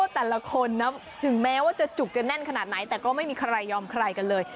แต่ละคนนะถึงแม้ว่าจะจุกจะแน่นขนาดไหนแต่ก็ไม่มีใครยอมใครกันเลย